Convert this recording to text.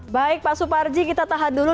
baik pak suparji kita tahan dulu